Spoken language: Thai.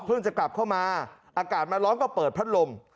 จะกลับเข้ามาอากาศมาร้อนก็เปิดพัดลม